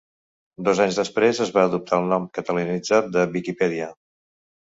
Dos anys després es va adoptar el nom catalanitzat de “Viquipèdia”.